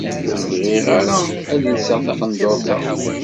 Ur bɣiɣ ara ad lseɣ taqenduṛt-a.